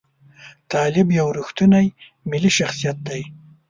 طالب یو ریښتونی ملي شخصیت دی.